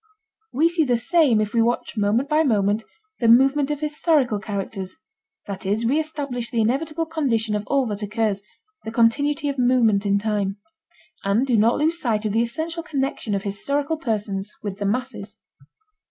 We see the same if we watch moment by moment the movement of historical characters (that is, re establish the inevitable condition of all that occurs—the continuity of movement in time) and do not lose sight of the essential connection of historical persons with the masses.